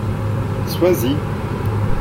Sois-y.